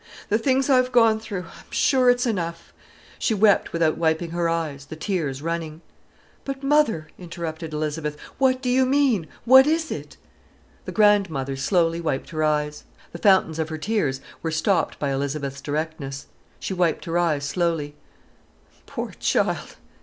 The things I've gone through, I'm sure it's enough——!" She wept without wiping her eyes, the tears running. "But, mother," interrupted Elizabeth, "what do you mean? What is it?" The grandmother slowly wiped her eyes. The fountains of her tears were stopped by Elizabeth's directness. She wiped her eyes slowly. "Poor child!